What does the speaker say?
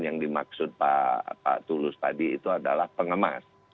dan yang dimaksud pak tulus tadi itu adalah pengemas